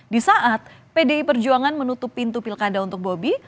di saat pdi perjuangan menutup pintu pilkada untuk bobi